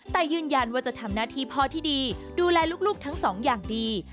แต่ยืนยันว่าจะทำหน้าที่พ่อที่ดีดูแลลูกทั้งสองอย่างดี